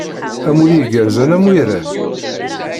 Amulli igerrzen a Muirel!